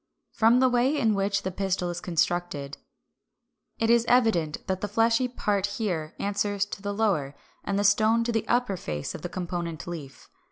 From the way in which the pistil is constructed, it is evident that the fleshy part here answers to the lower, and the stone to the upper face of the component leaf.